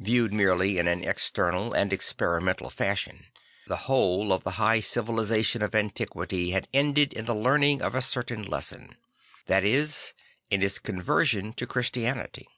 Viewed merely in an external and experimental fashion, the whole of the high civilisation of antiquity had ended in the learning of a certain lesson; that is, in its conversion to Christianity.